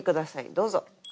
どうぞ。